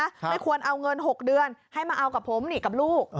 ไม่ควรเอาเงิน๖เดือนให้มาเอากับผมนี่กับลูก